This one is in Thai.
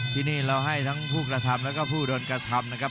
ที่นี่เราให้ทั้งผู้กระทำแล้วก็ผู้โดนกระทำนะครับ